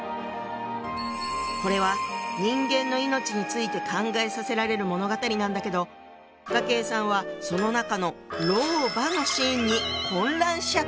これは人間の命について考えさせられる物語なんだけど雅馨さんはその中の老婆のシーンに混乱しちゃったの。